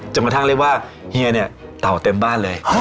กระทั่งเรียกว่าเฮียเนี่ยเต่าเต็มบ้านเลย